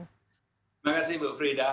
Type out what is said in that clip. terima kasih bu frida